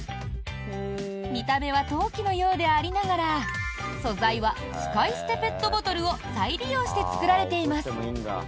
見た目は陶器のようでありながら素材は使い捨てペットボトルを再利用して作られています。